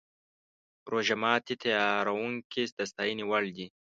روژه ماتي تیاروونکي د ستاینې وړ دي.